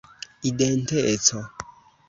identeco